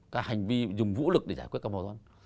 các hành vi dùng vũ lực để giải quyết các mâu thuẫn